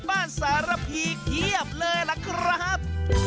บ้านสารพี่เคียบเลยล่ะครับ